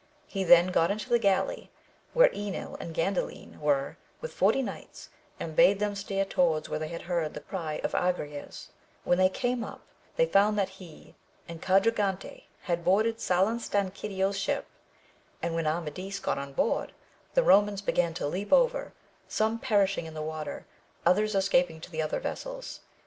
He then got into the galley where Enil and Gandalin were with forty knights, and bade them steer towards where they heard the cry of Agrayes ; when they came up, they found that he, and Quadra gante had boarded Salustanquidio's ship ; and when Amadis got on board, the Eomans began to leap over, some perishing in the water,^ others escaping to the other vessels.